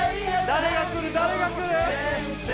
誰がくる？